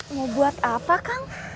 mau buat apa kang